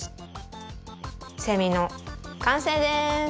せみのかんせいです。